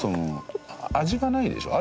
味がないでしょ。